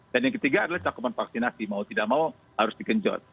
dan yang ketiga adalah cakuman vaksinasi mau tidak mau harus dikejot